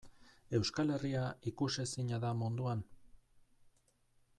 Euskal Herria ikusezina da munduan?